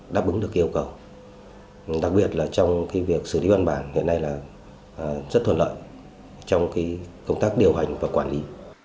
đặc biệt là trong việc xử lý văn bản hiện nay là rất thuận lợi trong công tác điều hành và quản lý